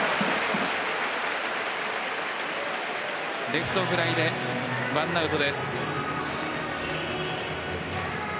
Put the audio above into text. レフトフライで１アウトです。